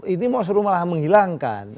ini mau suruh malah menghilangkan